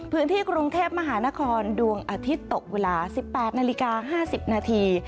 พื้นที่กรุงเทพมหานครดวงอาทิตย์ตกเวลา๑๘นาฬิกา๕๐นาที